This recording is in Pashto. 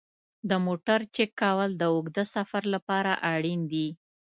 د موټر چک کول د اوږده سفر لپاره اړین دي.